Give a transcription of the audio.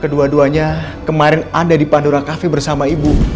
kedua duanya kemarin ada di pandora cafe bersama ibu